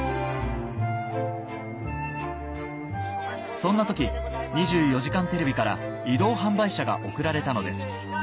そんな時『２４時間テレビ』から移動販売車が贈られたのです